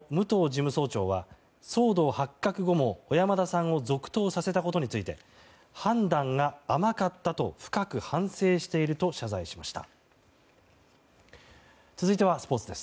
組織委員会の武藤事務総長は騒動発覚後も小山田さんを続投させたことについて判断が甘かったと深く反省していると謝罪しました。